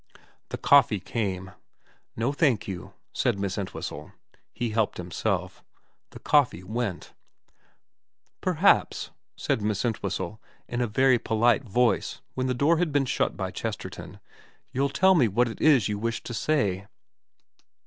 The coffee came. ' No thank you,' said Miss Entwhistle. He helped himself. The coffee went. * Perhaps/ said Miss Entwhistle in a very polite voice when the door had been shut by Chesterton, ' you'll tell me what it is you wish to say.'